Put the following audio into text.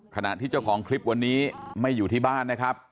ขณะที่เจ้าของคลิปวันนี้ไม่อยู่ที่บ้านนะครับ